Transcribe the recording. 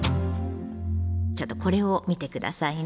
ちょっとこれを見て下さいな。